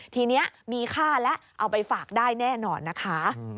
ทีนี้มีค่าแล้วเอาไปฝากได้แน่นอนนะคะ